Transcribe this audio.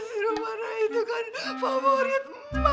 si romana itu kan favorit emak